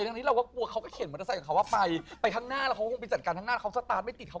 แล้วเราก็กลัวเขาก็เข็นมอเตอร์ไซค์ของเขาว่าไป